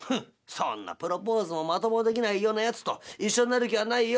そんなプロポーズもまともにできないようなやつと一緒になる気はないよ。